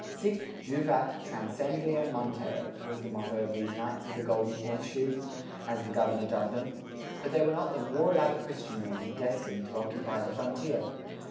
Sic juvat transcendere montes was the motto of these Knights of the Golden Horse Shoe, as the governor dubbed them. But they were not the "warlike christian men" destined to occupy the frontier.